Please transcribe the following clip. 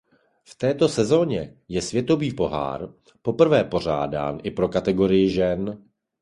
V této sezóně je světový pohár poprvé pořádán i pro kategorii žen.